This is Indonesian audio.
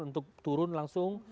untuk turun langsung